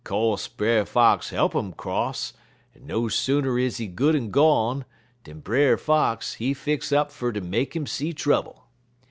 Co'se Brer Fox hope 'im 'cross, en no sooner is he good en gone, dan Brer Fox, he fix up fer ter make 'im see trouble.